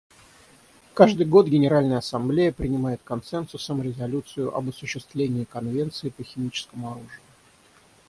Каждый год Генеральная Ассамблея принимает консенсусом резолюцию об осуществлении Конвенции по химическому оружию.